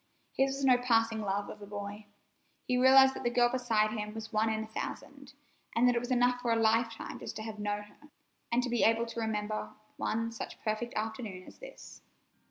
His was no passing love of a boy. He realized that the girl beside him was one in a thousand, and that it was enough for a lifetime just to have known her, and to be able to remember one such perfect afternoon as this.